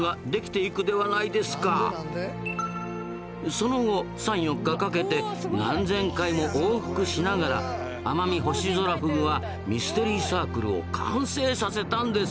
その後３４日かけて何千回も往復しながらアマミホシゾラフグはミステリーサークルを完成させたんです。